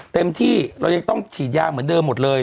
เต็มที่เรายังต้องฉีดยาเหมือนเดิมหมดเลย